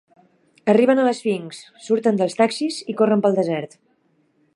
Arriben a l'Esfinx, surten dels taxis, i corren pel desert.